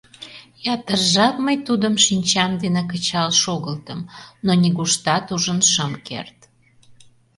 Ятыр жап мый тудым шинчам дене кычал шогылтым, но нигуштат ужын шым керт.